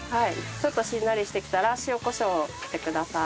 ちょっとしんなりしてきたら塩コショウを振ってください。